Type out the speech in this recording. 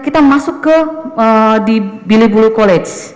kita masuk ke di billy bulu college